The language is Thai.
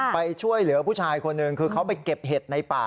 ไปช่วยเหลือผู้ชายคนหนึ่งคือเขาไปเก็บเห็ดในป่า